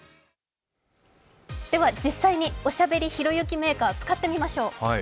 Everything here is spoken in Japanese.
では、実際におしゃべりひろゆきメーカー、使ってみましょう。